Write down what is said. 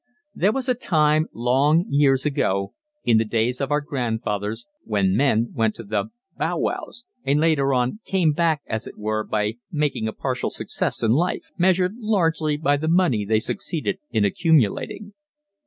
There was a time, long years ago, in the days of our grandfathers, when men went to the "bow wows" and, later on, "came back" as it were, by making a partial success in life measured largely by the money they succeeded in accumulating.